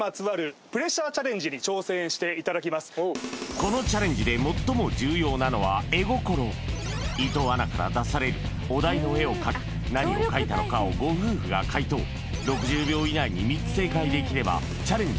このチャレンジで伊藤アナから出されるお題の絵を描き何を描いたのかをご夫婦が解答６０秒以内に３つ正解できればチャレンジ